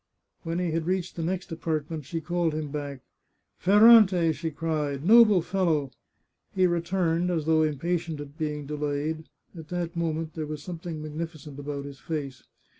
When he had reached the next apartment she called him back. " Ferrante," she cried, " noble fellow !" He returned, as though impatient at being delayed; at that moment there was something magnificent about his face.